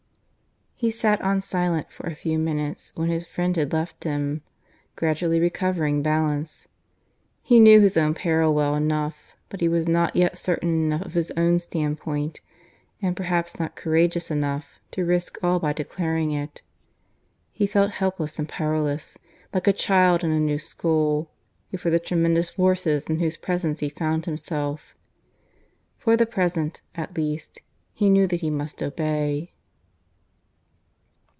He sat on silent for a few minutes when his friend had left him, gradually recovering balance. He knew his own peril well enough, but he was not yet certain enough of his own standpoint and perhaps not courageous enough to risk all by declaring it. He felt helpless and powerless like a child in a new school before the tremendous forces in whose presence he found himself. For the present, at least, he knew that he must obey.